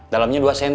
dalamnya dua cm